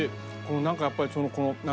なんかやっぱりこの何？